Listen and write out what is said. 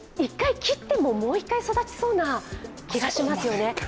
１回、切っても、もう一回育ちそうな気がしますよね。